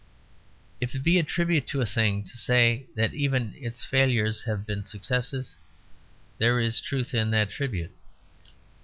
If it be a tribute to a thing to say that even its failures have been successes, there is truth in that tribute.